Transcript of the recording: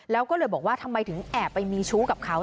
แล้วก็เลยบอกว่าทำไมถึงแอบไปมีชู้กับเขา